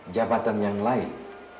jabatan yang lain